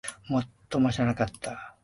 ちっとも知らなかった